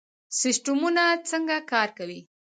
سیستمونه څنګه کار کوي؟